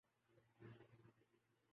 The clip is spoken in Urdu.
بارباڈوس